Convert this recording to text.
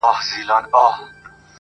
ملت ړوند دی د نجات لوری یې ورک دی؛